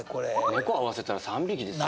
猫合わせたら３匹ですよ。